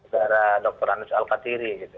dari dokter anus al kathiri gitu